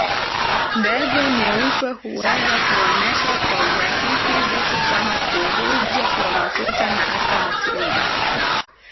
Ndege nyeupe huweza kuonesha kwa urahisi vitu kama kuvuja kwa mafuta na hata matundu